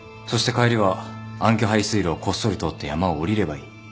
そして帰りは暗渠排水路をこっそり通って山を下りればいい。